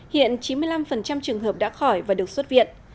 hiện chín mươi năm trường hợp đã khỏi và được xuất viện